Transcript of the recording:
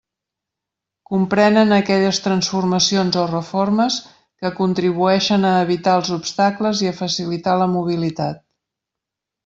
Comprenen aquelles transformacions o reformes que contribueixen a evitar els obstacles i a facilitar la mobilitat.